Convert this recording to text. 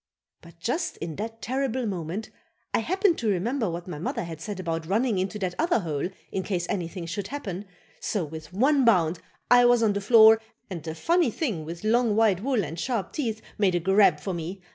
But just in that terrible moment I happened to remember what my mother had said about running into that other hole in case anything should happen, so with one bound I was on the floor and the funny thing with long, white wool and sharp teeth made a grab for me.